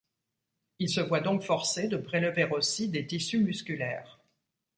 Il se voit donc forcé de prélever aussi des tissus musculaires.